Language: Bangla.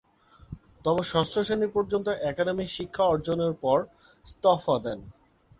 তবে ষষ্ঠ শ্রেণি পর্যন্ত একাডেমিক শিক্ষা অর্জনের পর ইস্তফা দেন।